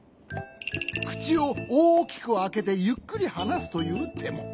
くちをおおきくあけてゆっくりはなすというても。